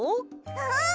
うん！